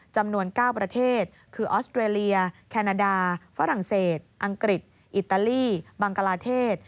จำนวน๙ประเทศคือออสเตรเลียแคนาดาฝรั่งเศสอังกฤษอิตาลีบังกลาเทศ